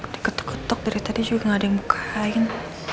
diketuk ketuk dari tadi juga nggak ada yang bukain